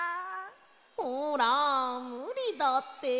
ほらむりだって。